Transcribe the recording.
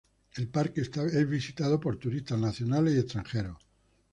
El parque es visitado por turistas nacionales y extranjeros.